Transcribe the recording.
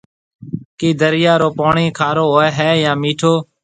ڪِي دريا رو پوڻِي کارو هوئي هيَ يان مِٺو؟